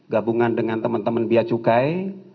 gabungan dengan teman teman biacukai